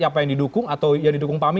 siapa yang didukung atau yang didukung pak amin